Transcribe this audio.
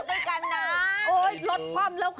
มันตาเกรงมากท้อง